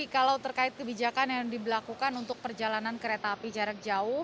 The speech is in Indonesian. kalau terkait kebijakan yang diberlakukan untuk perjalanan kereta api jarak jauh